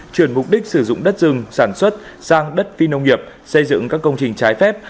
chuyển mục đích sử dụng đất rừng sản xuất sang đất phi nông nghiệp xây dựng các công trình trái phép